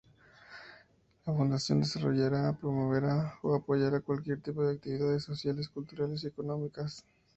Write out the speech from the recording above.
La fundación, desarrollará, promoverá o apoyará, cualquier tipo de actividades sociales, culturales y económicas.